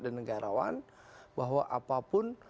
dan negarawan bahwa apapun